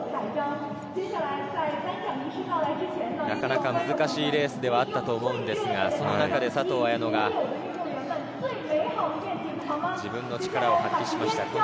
なかなか難しいレースではあったと思うのですが、その中で佐藤綾乃が自分の力を発揮しました。